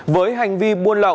với hành vi buôn lậu